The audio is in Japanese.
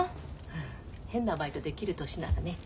変なバイトできる年ならね。